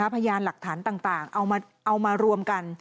พยานหลักฐานต่างเอามารวมกัน